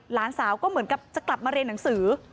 หลานสาวก็เหมือนกับจะกลับมาเรียนหนังสือ